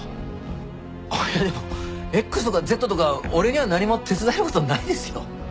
いやでもＸとかＺとか俺には何も手伝える事ないですよ。